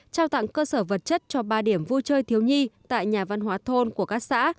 trao tặng cơ sở vật chất cho ba điểm vui chơi thiếu nhi tại nhà văn hóa thôn của các xã